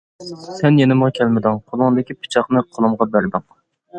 سەن يېنىمغا كەلمىدىڭ، قولۇڭدىكى پىچاقنى قولۇمغا بەردىڭ.